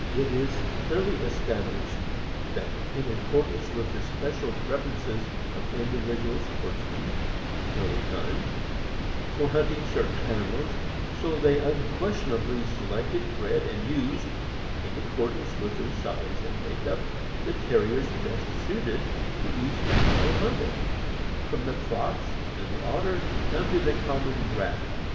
It is clearly established that in accordance with the spe cial preferences of individual sportsmen, in early times, for hunting certain animals, so they unquestionably selected, bred, and used, in accordance with their size and make up, the Terriers best suited to each animal hunted, from the fox and the otter down to the common rat.